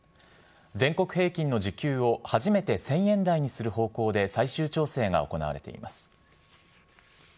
全国平均の時給を初めて１０００円台にする方向で最終調整が行われています。